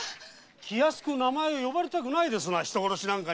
気安く名前を呼ばれたくないですな人殺しなんかに。